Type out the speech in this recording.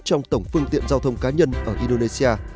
trong tổng phương tiện giao thông cá nhân ở indonesia